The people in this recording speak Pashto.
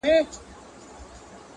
دا ارزښتمن شى په بټوه كي ساته.